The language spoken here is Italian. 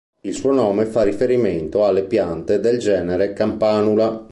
Il suo nome fa riferimento alle piante del genere "Campanula".